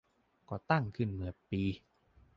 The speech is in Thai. ก่อตั้งขึ้นเมื่อปี